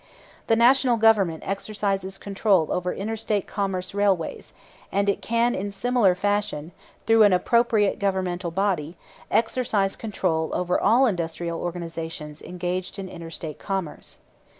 The National Government exercises control over inter State commerce railways, and it can in similar fashion, through an appropriate governmental body, exercise control over all industrial organizations engaged in inter State commerce.